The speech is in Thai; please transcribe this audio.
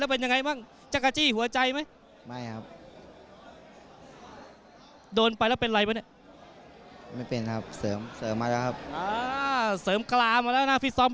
มีเยอะครับดูที่จังหวะครับ